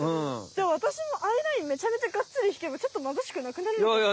じゃあわたしもアイラインめちゃめちゃがっつり引けばちょっとまぶしくなくなるよね？